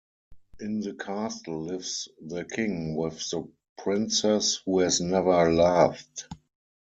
In the castle lives the King with the Princess who has never laughed.